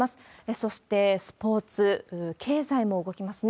そしてスポーツ、経済も動きますね。